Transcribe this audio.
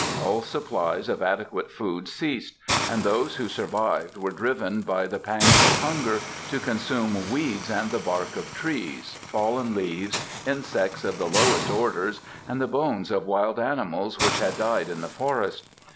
All supplies of adequate food ceased, and those who survived were driven by the pangs of hunger to consume weeds and the bark of trees, fallen leaves, insects of the lowest orders and the bones of wild animals which had died in the forest.